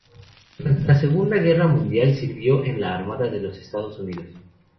Durante la Segunda Guerra Mundial sirvió en la Armada de los Estados Unidos.